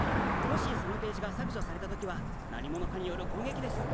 もしそのページが削除されたときは何者かによる攻撃です。